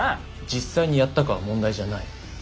実際にやったかは問題じゃない。